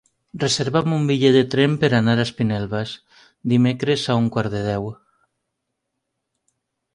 Reserva'm un bitllet de tren per anar a Espinelves dimecres a un quart de deu.